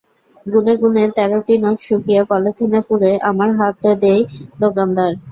গুনে গুনে তেরোটি নোট শুকিয়ে পলিথিনে পুরে আমার হাতে দেয় দোকানদার।